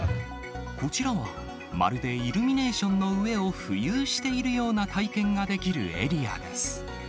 こちらは、まるでイルミネーションの上を浮遊しているような体験ができるエリアです。